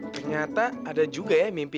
ternyata ada juga ya mimpi